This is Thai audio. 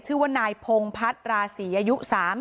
ชื่อว่านายพงพัฒน์ราศีอายุ๓๐